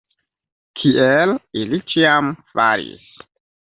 Kiel ili ĉiam faris.